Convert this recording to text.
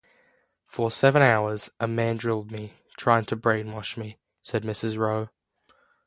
"For seven hours, a man drilled me, tried to brainwash me," said Mrs. Rowe.